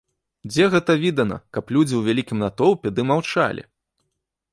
Дзе гэта відана, каб людзі ў вялікім натоўпе ды маўчалі?